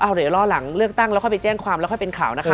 เดี๋ยวรอหลังเลือกตั้งแล้วค่อยไปแจ้งความแล้วค่อยเป็นข่าวนะคะ